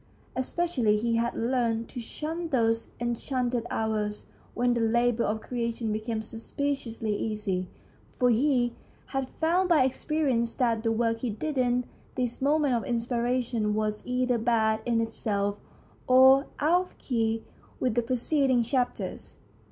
Es pecially he had learned to shun those enchanted hours when the labour of creation became suspiciously easy, for he had found by experience that the work he did in these moments of inspiration was either bad in itself or out of key with the preceding chapters.